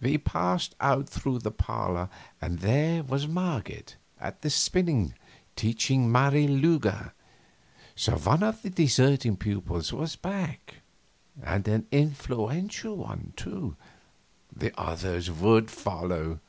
We passed out through the parlor, and there was Marget at the spinnet teaching Marie Lueger. So one of the deserting pupils was back; and an influential one, too; the others would follow.